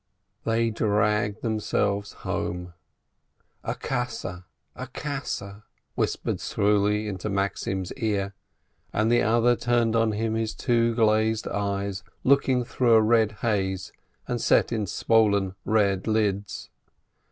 They dragged themselves home. "A kasa, a kasa!" whispered Struli into Maxim's ear, and the other turned on him his two glazed eyes looking through a red haze, and set in swollen red lids.